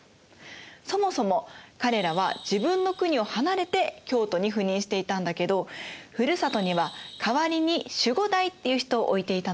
そもそも彼らは自分の国を離れて京都に赴任していたんだけどふるさとには代わりに守護代っていう人を置いていたのね。